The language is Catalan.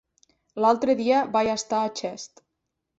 L'altre dia vaig estar a Xest.